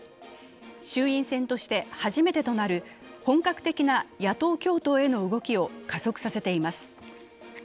衆院選として初めてとなる本格的な野党共闘への動きを加速させています。